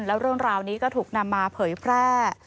แล้วเรื่องราวนี้ก็ถูกนำมาเผยแพร่